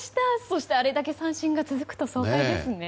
そしてあれだけ三振が続くと爽快ですね。